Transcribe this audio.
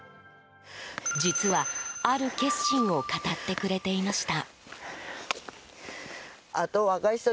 実は、ある決心を語ってくれていました。